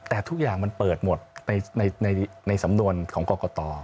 แต่ทุกอย่างมันเปิดหมดในสำนวนของกรกต